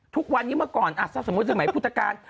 ทุกวันนี้เมื่อก่อนถ้าสมมุติสมัยพุทธกาล